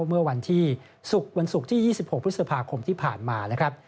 เมื่อวันที่ศุกร์วันศุกร์ที่๒๖พฤษภาคมที่ผ่านมานะครับ